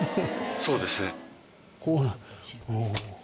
そうですね。